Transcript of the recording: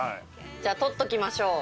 じゃあ撮っておきましょう。